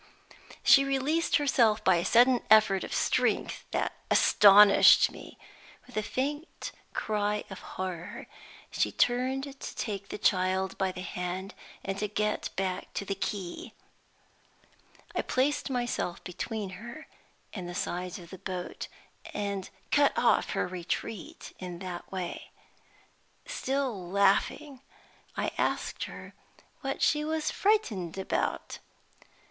She released herself by a sudden effort of strength that astonished me. With a faint cry of horror, she turned to take the child by the hand and get back to the quay. I placed myself between her and the sides of the boat, and cut off her retreat in that way. Still laughing, I asked her what she was frightened about.